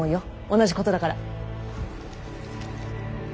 同じことだから！